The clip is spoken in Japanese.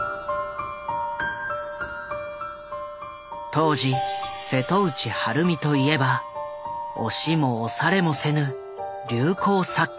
当時瀬戸内晴美といえば押しも押されもせぬ流行作家。